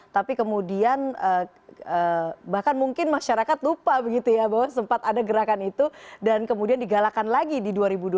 tapi kemudian bahkan mungkin masyarakat lupa begitu ya bahwa sempat ada gerakan itu dan kemudian digalakan lagi di dua ribu dua puluh